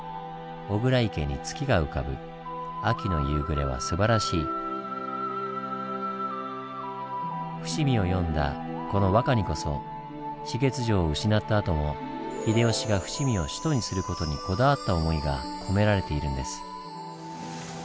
実はね恐らく伏見を詠んだこの和歌にこそ指月城を失ったあとも秀吉が伏見を首都にする事にこだわった思いが込められているんです。